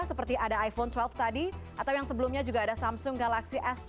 seperti ada iphone dua tadi atau yang sebelumnya juga ada samsung galaxy s tiga